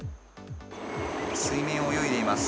水面を泳いでいます。